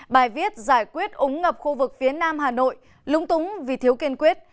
bài viết giải quyết ống ngập khu vực phía nam hà nội lúng túng vì thiếu kiên quyết